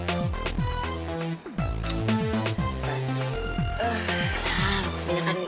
ya minyakkan ini